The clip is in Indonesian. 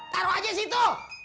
taruh aja situ